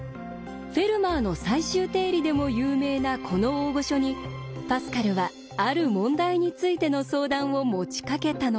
フェルマーの最終定理でも有名なこの大御所にパスカルはある問題についての相談を持ちかけたのです。